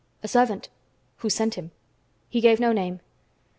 "A servant." "Who sent him?" "He gave no name."